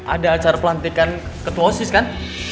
ada acara pelantikan ketuosis kan